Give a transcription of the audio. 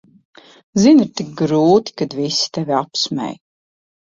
Zini, ir tik grūti, kad visi tevi apsmej.